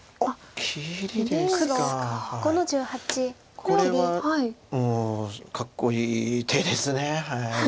これはかっこいい手です。